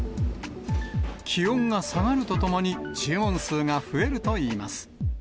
気温が下がるとともに、注文数が増えるといいます。